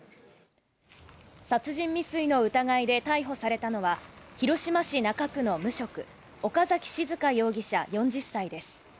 殺人未遂の疑いで逮捕されたのは、広島市中区の無職、岡崎静佳容疑者、４０歳です。